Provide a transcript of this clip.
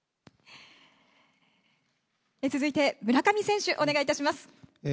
続いて、村上選手、お願いいたします。